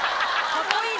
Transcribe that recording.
カッコいい！